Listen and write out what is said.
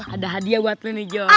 ada hadiah buat lo nih joy